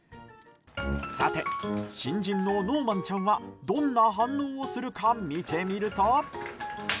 さて、新人のノーマンちゃんはどんな反応をするか見てみると。